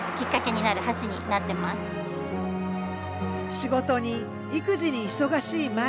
仕事に育児に忙しい毎日。